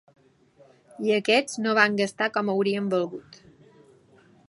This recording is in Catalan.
I aquests no van gastar com haurien volgut.